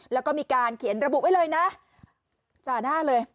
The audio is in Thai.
แล้วก็มีการเขียนระบุไว้เลยนะจ่าหน้าเลย